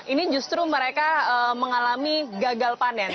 ini justru mereka mengalami gagal panen